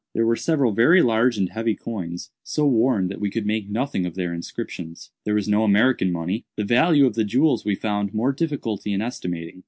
There were several very large and heavy coins, so worn that we could make nothing of their inscriptions. There was no American money. The value of the jewels we found more difficulty in estimating.